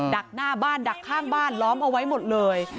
ักหน้าบ้านดักข้างบ้านล้อมเอาไว้หมดเลย